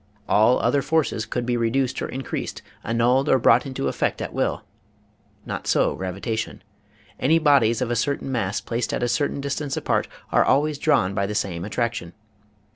All other forces could be reduced or increased, annulled or brought into effect at will. Not so gravitation. Any bodies of a certain mass placed at a certain distance apart are always drawn by the same attraction.